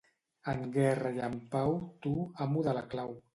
En guerra i en pau, tu, amo de la clau.